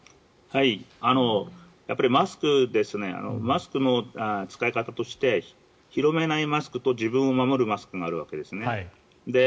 マスクの使い方として広めないマスクと自分を守るマスクがあるんですね。